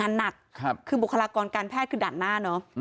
การนัดครับคือบุคลากรการแพทย์คือด่านหน้าเนอะอืม